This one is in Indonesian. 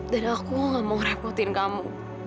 dan aku gak mau ngerepotin kamu